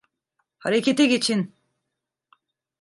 Harekete geçin!